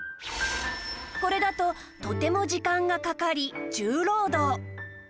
これだととても時間がかかり重労働